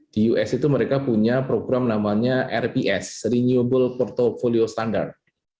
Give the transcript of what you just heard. di us itu mereka punya program namanya rps renewable portfolio standar